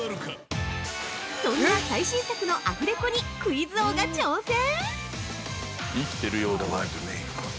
そんな最新作のアフレコにクイズ王が挑戦！？